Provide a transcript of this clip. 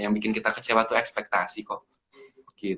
yang bikin kita kecewa itu ekspektasi kok